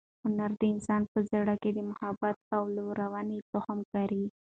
هنر د انسان په زړه کې د محبت او لورینې تخم کري.